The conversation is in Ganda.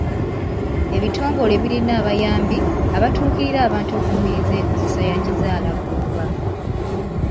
Ebitongole birina abayambi abatuukirira abantu okukubiriza enkozesa ya kizaalaggumba.